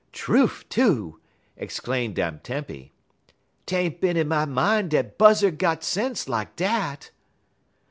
'" "Trufe too!" exclaimed Aunt Tempy. "'T ain't bin in my min' dat Buzzard got sense lak dat!"